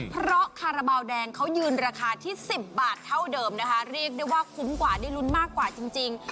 เพราะคาราบาลแดงเขายืนราคาที่๑๐บาทเท่าเดิมนะคะเรียกได้ว่าคุ้มกว่าได้ลุ้นมากกว่าจริง